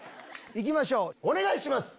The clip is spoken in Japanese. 行きましょうお願いします！